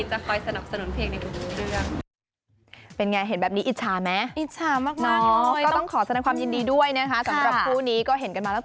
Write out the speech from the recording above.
จะคอยสนับสนุนเพลงในทุกเรื่อง